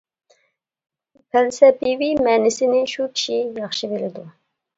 پەلسەپىۋى مەنىسىنى، شۇ كىشى ياخشى بىلىدۇ.